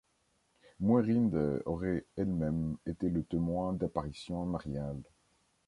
Mwerinde aurait elle-même été le témoin d'apparitions mariales.